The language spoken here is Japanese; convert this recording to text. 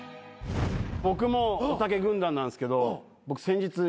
僕もおたけ軍団なんすけど僕先日離婚しまして。